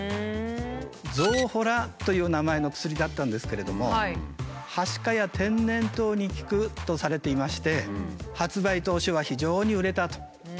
象洞という名前の薬だったんですけれどもはしかや天然痘に効くとされていまして発売当初は非常に売れたということなんです。